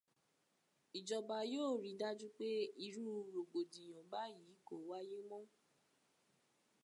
Ìjọba yóò rí dájú pé irú rògbòdìyàn báyìí kò wáyé mọ